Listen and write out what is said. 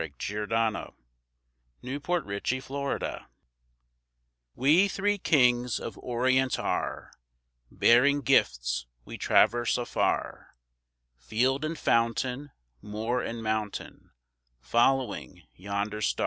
Neale_ WE THREE KINGS We Three Kings of Orient are, Bearing gifts we traverse afar, Field and fountain, Moor and mountain, Following yonder star.